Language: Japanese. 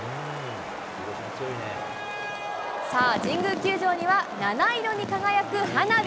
さあ、神宮球場には七色に輝く花火。